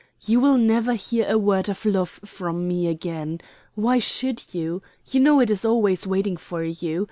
You will never hear a word of love from me again. Why should you? You know it is always waiting for you.